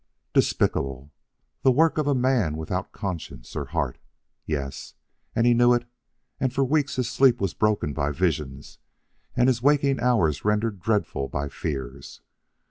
Despicable! the work of a man without conscience or heart! Yes, and he knew it, and for weeks his sleep was broken by visions and his waking hours rendered dreadful by fears.